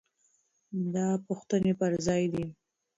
دا پوښتنې پر ځای دي.